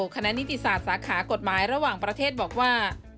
คณะนิติศาสตร์สาขากฎหมายระหว่างประเทศบอกว่า